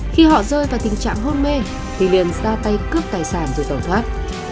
khi họ rơi vào tình trạng hôn mê thì liền ra tay cướp tài sản rồi tẩu thoát